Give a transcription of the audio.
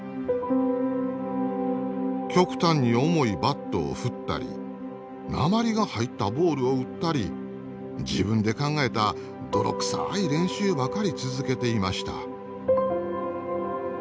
極端に重いバットを振ったり鉛が入ったボールを打ったり自分で考えた泥臭い練習ばかり続けていました。